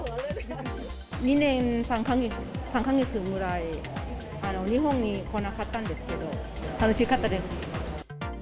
２年３か月ぐらい、日本に来なかったんですけど、楽しかったです。